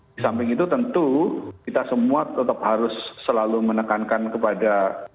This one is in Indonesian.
di samping itu tentu kita semua tetap harus selalu menekankan kepada